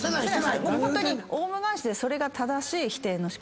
ホントにオウム返しでそれが正しい否定の仕方。